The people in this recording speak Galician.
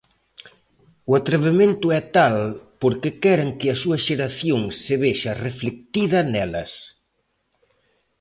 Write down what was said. O atrevemento é tal porque queren que a súa xeración se vexa reflectida nelas.